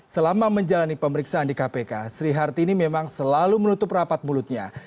selama menjalani pemeriksaan di kpk sri hartini memang selalu menutup rapat mulutnya